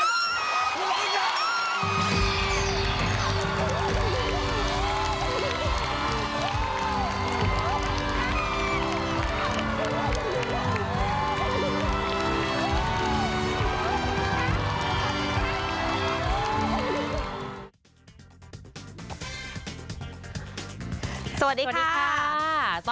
สวัสดีค่ะ